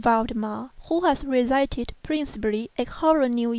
Valdemar, who has resided principally at Harlem, N.Y.